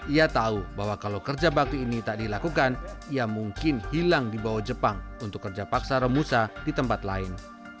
ia tahu bahwa kalau kerja bakti ini tak dilakukan ia mungkin hilang di bawah jepang untuk kerja paksa romusa di tempat lain